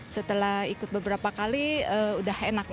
setelah ikut beberapa kali udah enak